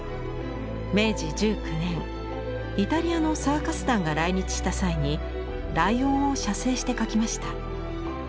明治１９年イタリアのサーカス団が来日した際にライオンを写生して描きました。